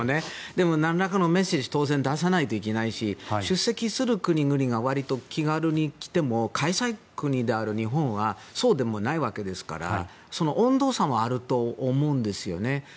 でも、なんらかのメッセージ当然出さないといけないし出席する国々がわりと気軽に来ても開催国である日本はそうでもないわけですからその温度差もあると思うんですよね。